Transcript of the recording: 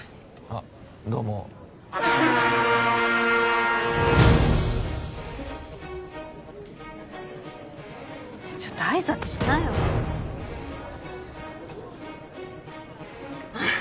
あっどうもちょっと挨拶しなよあっ